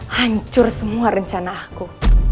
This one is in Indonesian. hancur semua rencana aku